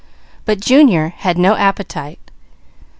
But Junior had no appetite.